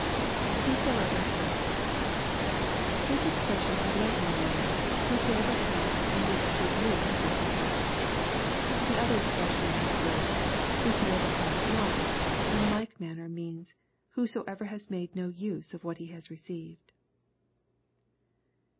[ Whosoever hath.] This expression evidently means, " whoso ever hath and makes a good use of what he hath." The other expression in the verse "whosoever hath not," in like manner means, " whosoever has made no use of what he has received."